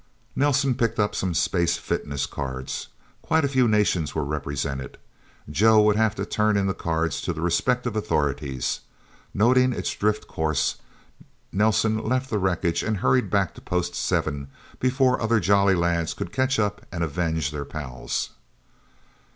Nelsen picked up some space fitness cards. Quite a few nations were represented. Joe would have to turn in the cards to the respective authorities. Noting its drift course, Nelsen left the wreckage, and hurried back to Post Seven, before other Jolly Lads could catch up and avenge their pals.